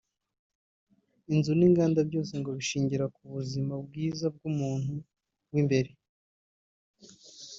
inzu n’inganda byose ngo bishingira ku buzima bwiza bw’umuntu w’imbere